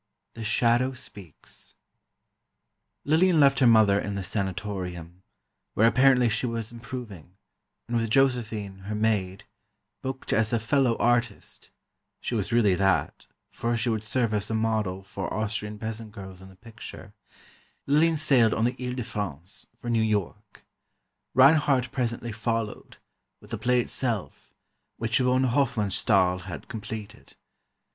XI THE SHADOW SPEAKS Lillian left her mother in the sanatorium, where apparently she was improving, and with Josephine, her maid,—booked as a "fellow artist" (she was really that, for she would serve as model for Austrian peasant girls in the picture),—Lillian sailed on the Île de France, for New York. Reinhardt presently followed, with the play itself, which von Hofmannsthal had completed.